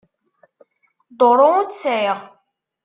Duṛu ur tt-sεiɣ.